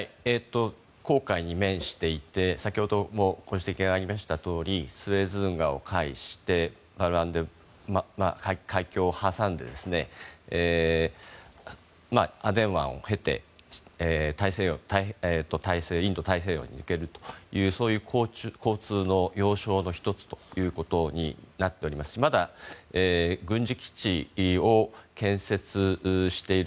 紅海に面していて先ほどもご指摘がありましたとおりスエズ運河を介して海峡を挟んで、アデン湾を介してインド太平洋に抜けるというそういう交通の要衝の１つということになっておりますしまだ軍事基地を建設している。